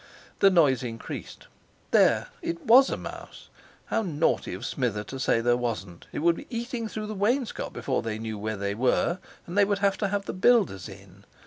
The noise increased. There! it was a mouse! How naughty of Smither to say there wasn't! It would be eating through the wainscot before they knew where they were, and they would have to have the builders in.